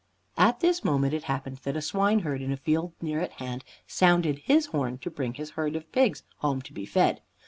At this moment it happened that a swineherd in a field near at hand sounded his horn to bring his herd of pigs home to be fed.